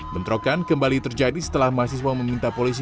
bentrokan kembali terjadi setelah mahasiswa meminta polisi